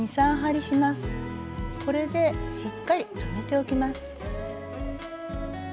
これでしっかり留めておきます。